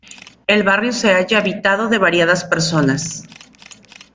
El barrio se halla habitado de variadas personas.